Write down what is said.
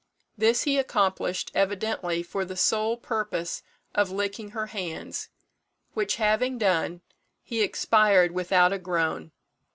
This he accomplished evidently for the sole purpose of licking her hands, which, having done, he expired without a groan.